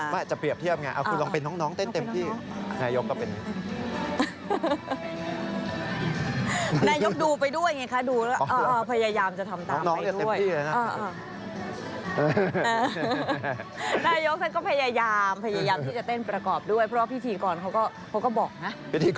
ไม่จะเปรียบเทียบไงคุณลองเป็นน้องเต้นเต็มที่